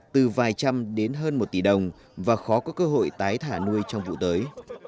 từ vài trăm đến hơn một tỷ đồng và khó có cơ hội tái thả nuôi trong vụ tới